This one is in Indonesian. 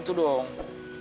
punya p fill